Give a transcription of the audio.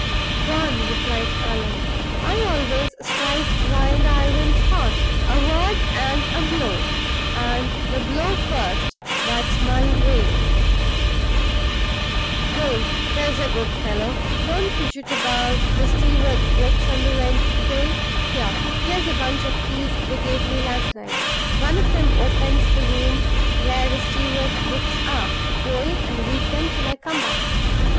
"Gone!" replied Allan. "I always strike while the iron's hot a word and a blow, and the blow first, that's my way. Don't, there's a good fellow, don't fidget about the steward's books and the rent day. Here! here's a bunch of keys they gave me last night: one of them opens the room where the steward's books are; go in and read them till I come back.